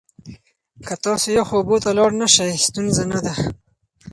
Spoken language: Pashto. که تاسو یخو اوبو ته لاړ نشئ، ستونزه نه ده.